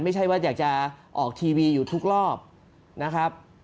ไม่ใช่ว่าอยากจะออกทีวีอยู่ทุกรอบนะครับ